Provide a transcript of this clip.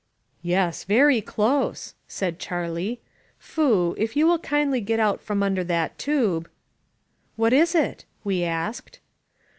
"Yes, very close," said CharKe. "Foo, if you will kindly get out from under that tube. ..." "What was it?" we asked.